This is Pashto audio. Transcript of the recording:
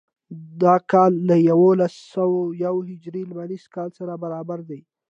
دا کال له یوولس سوه یو هجري لمریز کال سره برابر دی.